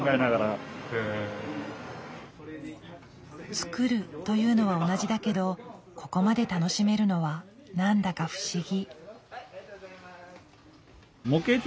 「作る」というのは同じだけどここまで楽しめるのは何だか不思議。